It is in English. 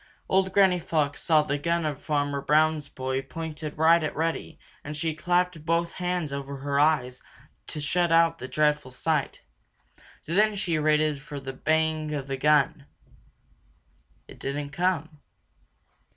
Old Granny Fox saw the gun of Farmer Brown's boy pointed right at Reddy and she clapped both hands over her eyes to shut out the dreadful sight. Then she waited for the bang of the gun. It didn't come.